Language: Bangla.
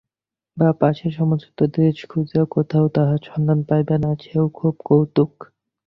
বাপ আসিয়া সমস্ত দেশ খুঁজিয়া কোথাও তাহার সন্ধান পাইবে না, সেও খুব কৌতুক।